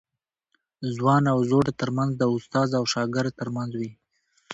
ځوان او زوړ ترمنځ د استاد او شاګرد ترمنځ وي.